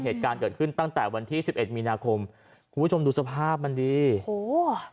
เหตุการณ์เกิดขึ้นตั้งแต่วันที่สิบเอ็ดมีนาคมคุณผู้ชมดูสภาพมันดีโอ้โห